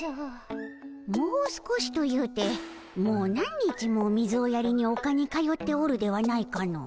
もう少しと言うてもう何日も水をやりにおかに通っておるではないかの。